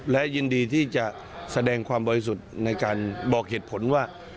และยินดีที่จะแสดงความบริสุทธิ์ในการบอกเหตุผลว่า